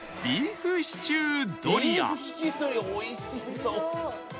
ビーフシチュードリアおいしそう。